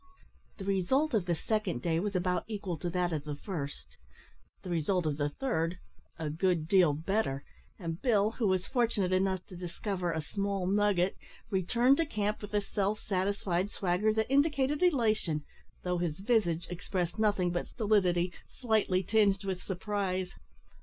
The result of the second day was about equal to that of the first; the result of the third a good deal better, and Bill, who was fortunate enough to discover a small nugget, returned to camp with a self satisfied swagger that indicated elation, though his visage expressed nothing but stolidity, slightly tinged with surprise.